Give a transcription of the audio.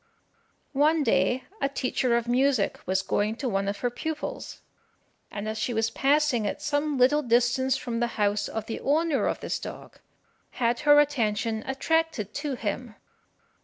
One day a teacher of music was going to one of her pupils, and as she was passing at some little distance from the house of the owner of this dog, had her attention attracted to him.